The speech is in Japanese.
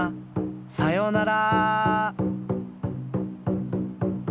さようなら。